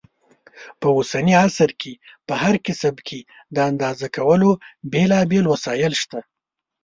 په اوسني عصر کې په هر کسب کې د اندازه کولو بېلابېل وسایل شته.